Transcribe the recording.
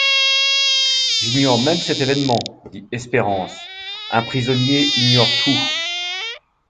J'ignore même cet événement, dit Espérance, un prisonnier ignore tout.